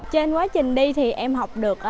trên quá trình đi thì em học được